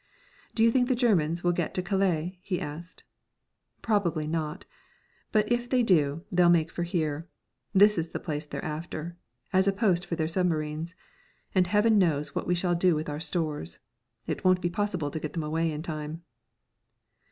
"Do you think the Germans will get to Calais?" he asked. "Probably not; but if they do, they'll make for here. This is the place they're after as a post for their submarines. And Heaven knows what we shall do with our stores. It won't be possible to get them away in time!"